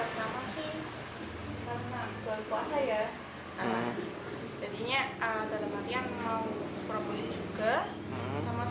saya pernah mengaji karena berpuasa ya